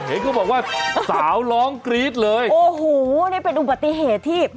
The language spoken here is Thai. เห็นเขาบอกว่าสาวร้องกรี๊ดเลยโอ้โหนี่เป็นอุบัติเหตุที่